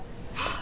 あ！